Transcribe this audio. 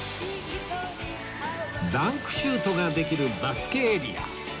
ダンクシュートができるバスケエリア